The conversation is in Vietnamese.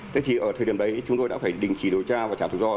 thế thì ở thời điểm đấy chúng tôi đã phải đình chỉ đối tra và trả thừa do